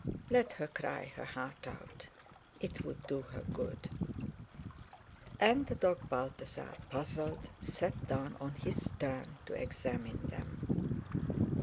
Let her cry her heart out—it would do her good. And the dog Balthasar, puzzled, sat down on his stern to examine them.